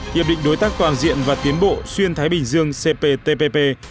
hiệp định đối tác toàn diện và tiến bộ xuyên thái bình dương cptpp